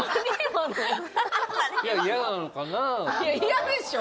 嫌でしょ